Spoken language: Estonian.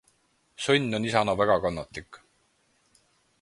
Sõnn on isana väga kannatlik.